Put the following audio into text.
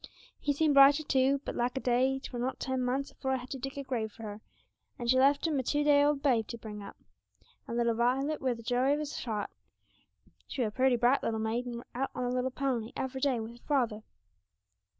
He seemed brighter, too; but lack a day, 'twere not ten months afore I had to dig a grave for her, and she left him a two day old babe to bring up and little Miss Violet were the joy of his heart she were a purty, bright little maid, and were out on her little pony every day wi' her father.